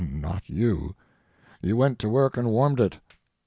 Not you. You went to work and warmed it.